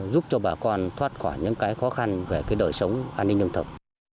giúp cho bà con thoát khỏi những cái khó khăn về cái đời sống an ninh đồng thập